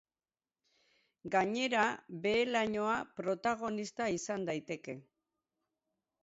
Gainera, behe-lainoa protagonista izan daiteke.